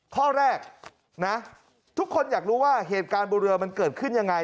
ข้อแรกนะทุกคนอยากรู้ว่าเหตุการณ์บนเรือมันเกิดขึ้นยังไง